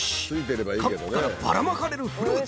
カップからばらまかれるフルーツ！